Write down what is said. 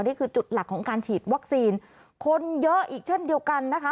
นี่คือจุดหลักของการฉีดวัคซีนคนเยอะอีกเช่นเดียวกันนะคะ